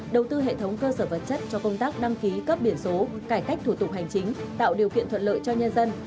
đầu tư hệ thống cơ sở vật chất cho công tác đăng ký cấp biển số cải cách thủ tục hành chính tạo điều kiện thuận lợi cho nhân dân